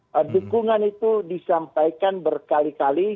dan dukungan itu disampaikan berkali kali